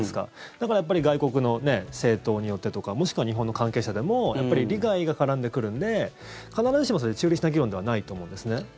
だからやっぱり外国の政党によってとかもしくは日本の関係者でもやっぱり利害が絡んでくるんで必ずしも中立した議論ではないと思うんですね。